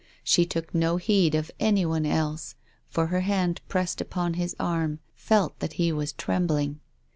She took no heed of anyone else, for her hand pressed upon his arm, felt that he was trembling.